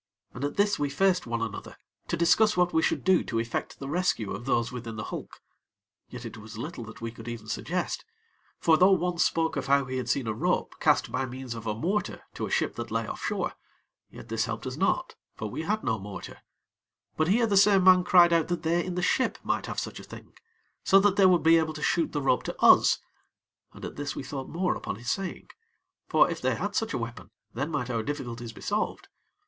And at this we faced one another to discuss what we should do to effect the rescue of those within the hulk. Yet it was little that we could even suggest; for though one spoke of how he had seen a rope cast by means of a mortar to a ship that lay off shore, yet this helped us not, for we had no mortar; but here the same man cried out that they in the ship might have such a thing, so that they would be able to shoot the rope to us, and at this we thought more upon his saying; for if they had such a weapon, then might our difficulties be solved.